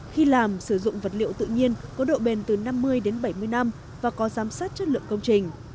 khi làm sử dụng vật liệu tự nhiên có độ bền từ năm mươi đến bảy mươi năm và có giám sát chất lượng công trình